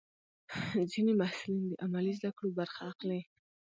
ځینې محصلین د عملي زده کړو برخه اخلي.